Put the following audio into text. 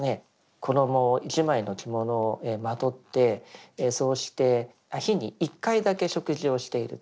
衣一枚の着物をまとってそうして日に１回だけ食事をしていると。